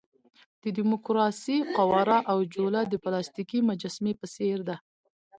د ډیموکراسۍ قواره او جوله د پلاستیکي مجسمې په څېر ده.